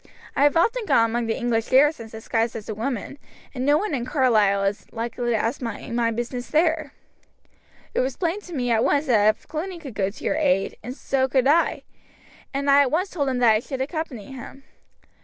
I have often gone among the English garrisons disguised as a woman, and no one in Carlisle is likely to ask me my business there.' It was plain to me at once that if Cluny could go to your aid, so could I, and I at once told him that I should accompany him.